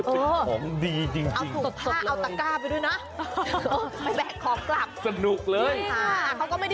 เขาก็ไม่ได้ตัดสินแล้วหรอกว่าครับ